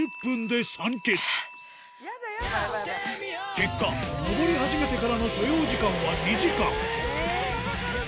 結果上り始めてからの所要時間は２時間そんなかかるの？